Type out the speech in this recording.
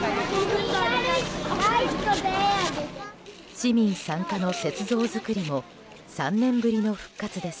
市民参加の雪像作りも３年ぶりの復活です。